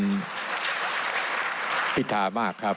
ขอบคุณคุณพิธามากครับ